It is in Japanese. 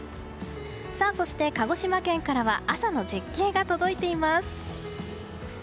そして鹿児島県からは朝の絶景が届いています。